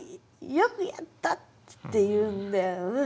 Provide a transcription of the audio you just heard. よくやった！っていうんで。